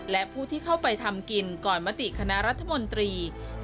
และผู้ที่เข้าไปทำกินก่อนมติคณะรัฐมนตรี